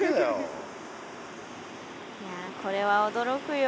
いやこれは驚くよ。